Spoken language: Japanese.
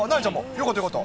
よかった、よかった。